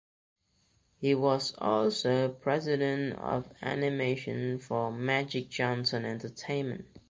He was also president of animation for Magic Johnson Entertainment.